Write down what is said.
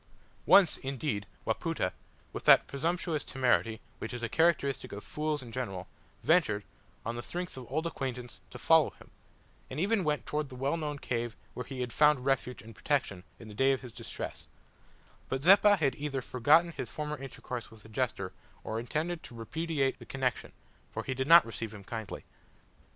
Once, indeed, Wapoota, with that presumptuous temerity which is a characteristic of fools in general, ventured, on the strength of old acquaintance, to follow him, and even went towards the well known cave where he had found refuge and protection in the day of his distress; but Zeppa had either forgotten his former intercourse with the jester or intended to repudiate the connection, for he did not receive him kindly.